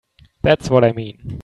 That's what I mean.